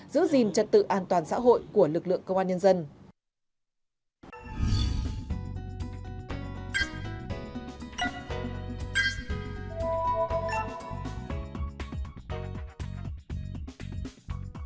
giữ gìn trật tự an toàn xã hội của lực lượng công an nhân dân